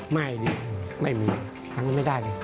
ไม่ไม่มีหาเงินไม่ได้เลย